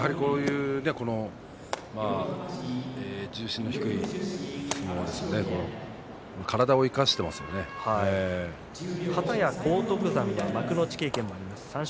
こういう重心の低い相撲をかたや荒篤山は幕内経験もあります。